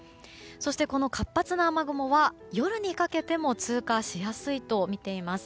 そして活発な雨雲は夜にかけても通過しやすいとみています。